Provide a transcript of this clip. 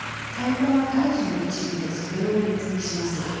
胎盤は胎児の一部でそれを分析します。